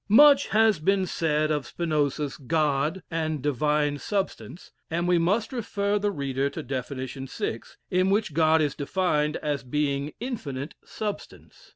Much has been said of Spinoza's "God" and "Divine Substance," and we must refer the reader to Definition Six, in which God is defined as being "infinite substance."